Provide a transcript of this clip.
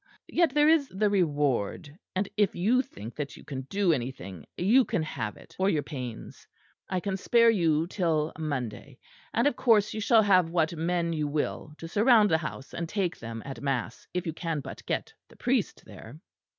Yet there is the reward; and if you think that you can do anything, you can have it for your pains. I can spare you till Monday, and of course you shall have what men you will to surround the house and take them at mass, if you can but get the priest there."